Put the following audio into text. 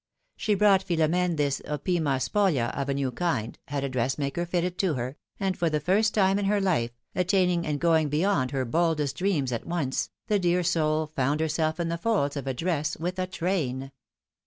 She brought Philom^ne this opima spolia of a new kind, had a dressmaker fit it to her, and for the first time in her life, attaining and going beyond her boldest dreams at once, the dear soul found herself in the folds of a dress with a train.